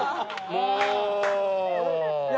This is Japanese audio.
もう！